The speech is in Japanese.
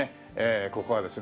ここはですね